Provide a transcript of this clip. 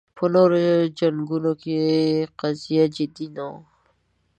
په نورو جنګونو کې قضیه جدي نه وه